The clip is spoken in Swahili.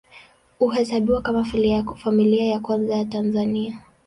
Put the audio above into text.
Huhesabiwa kama Familia ya Kwanza ya Tanzania.